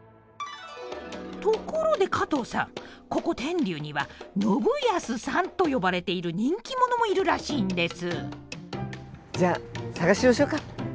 ところで加藤さんここ天竜には信康さんと呼ばれている人気者もいるらしいんです。